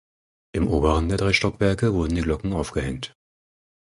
Im oberen der drei Stockwerke wurden die Glocken aufgehängt.